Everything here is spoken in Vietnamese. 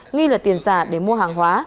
nghi là tiền giả để mua hàng hóa